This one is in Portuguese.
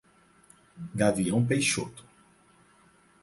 Gavião Peixoto